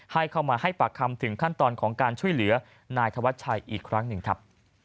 ให้เข้ามาให้ปากคำถึงขั้นตอนของการช่วยเหลือนายธวัชชัยอีกครั้งหนึ่งครับ